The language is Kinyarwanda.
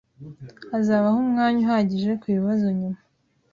Hazabaho umwanya uhagije kubibazo nyuma